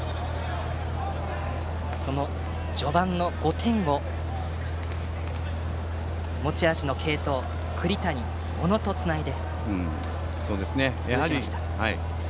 その序盤の５点を持ち味の継投栗谷、小野とつないで制しました。